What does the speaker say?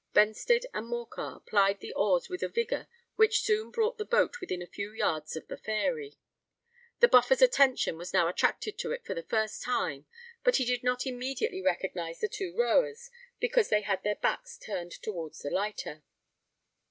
Benstead and Morcar plied the oars with a vigour which soon brought the boat within a few yards of the Fairy. The Buffer's attention was now attracted to it for the first time; but he did not immediately recognise the two rowers, because they had their backs turned towards the lighter.